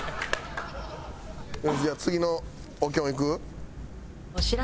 じゃあ次のおきょんいく？